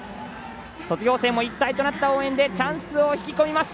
卒業生も一体となった応援でチャンスを引き込みます。